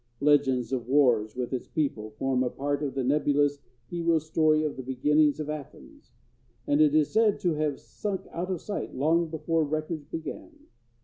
Legends of wars with its people form a part of the nebulous hero story of the beginnings of Athens; and it is said to have sunk out of sight long before records began.